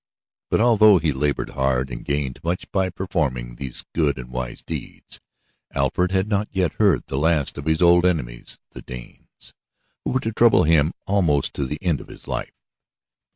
But although he labored hard and gained much by performing these good and wise deeds, Alfred had not yet heard the last of his old enemies the Danes, who were to trouble him almost to the end of his life.